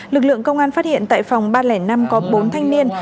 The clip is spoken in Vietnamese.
lực lượng công an phát hiện tại phòng ba trăm linh năm có bốn thanh niên